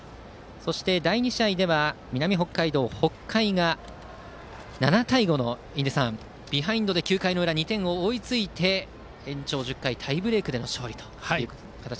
そして第２試合では南北海道、北海が７対５のビハインドから９回で２点を追いついて延長１０回タイブレークでの勝利と。